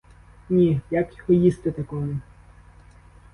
Ні — як його їсти такому?